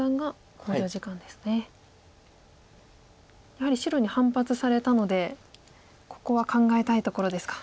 やはり白に反発されたのでここは考えたいところですか。